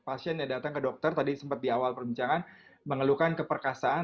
pasien yang datang ke dokter tadi sempat di awal perbincangan mengeluhkan keperkasaan